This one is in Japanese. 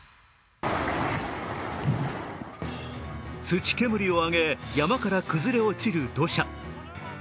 土煙を上げ、山から崩れ落ちる土砂。